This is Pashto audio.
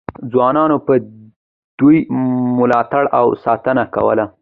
خوارانو به د دوی ملاتړ او ساتنه کوله.